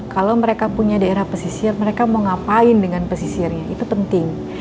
kalau mereka punya daerah pesisir mereka mau ngapain dengan pesisirnya itu penting